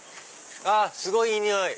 すごいいい匂い！